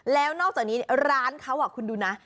แล้วนอกจากนี้ร้านเขาคุณดูนะ